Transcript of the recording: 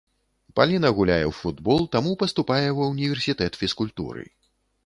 Паліна гуляе ў футбол, таму паступае ва ўніверсітэт фізкультуры.